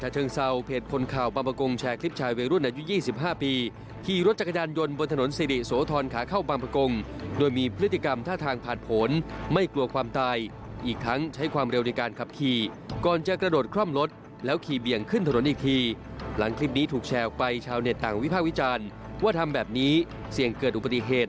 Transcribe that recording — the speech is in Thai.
จังหวัดชาวโซเชียลก็มีการแชร์คลิปขี่รถจักรยานยนต์